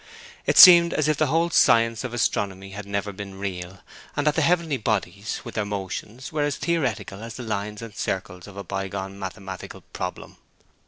It seemed as if the whole science of astronomy had never been real, and that the heavenly bodies, with their motions, were as theoretical as the lines and circles of a bygone mathematical problem.